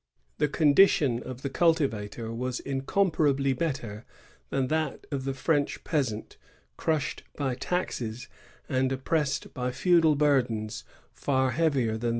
The condition of the cultivator was incomparably better than that of the French peasant, crushed by taxes, and oppressed by feudal burdens far heavier than those of Canada.